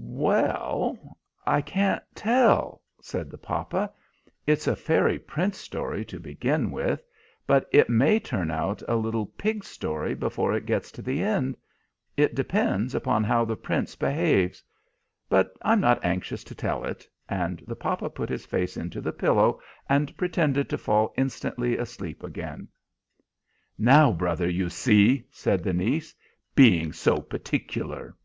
"Well, I can't tell," said the papa. "It's a fairy prince story to begin with, but it may turn out a little pig story before it gets to the end. It depends upon how the Prince behaves. But I'm not anxious to tell it," and the papa put his face into the pillow and pretended to fall instantly asleep again. "Now, brother, you see!" said the niece. "Being so particular!"